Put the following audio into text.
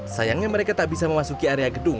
sayangnya mereka tak bisa memasuki area gedung